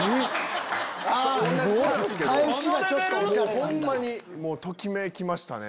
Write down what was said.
⁉ホンマときめきましたね。